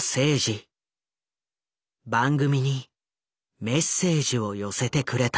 番組にメッセージを寄せてくれた。